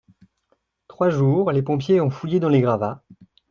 Trois jours, les pompiers ont fouillé dans les gravats